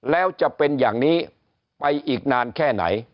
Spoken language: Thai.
แล้วจะเป็นอย่างนี้ไปอีกนานแค่ไหน